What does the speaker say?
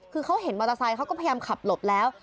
คือเขาเห็นมอเตอร์ไซค์เขาก็พยายามขับหลบแล้ว